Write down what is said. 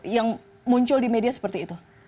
yang muncul di media seperti itu